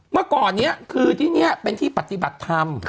เมื่อก่อนนี้คือที่นี่เป็นที่ปฏิบัติธรรม